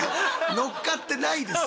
乗っかってないの？